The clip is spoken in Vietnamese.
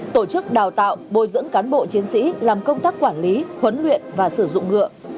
tổ chức đào tạo bồi dưỡng cán bộ chiến sĩ làm công tác quản lý huấn luyện và sử dụng ngựa